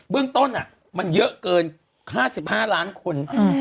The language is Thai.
เรื่องต้นมันเยอะเกิน๕๕ล้านคน